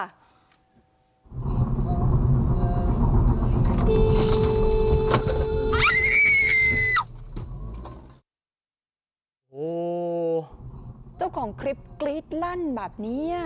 โอ้โหเจ้าของคลิปกรี๊ดลั่นแบบนี้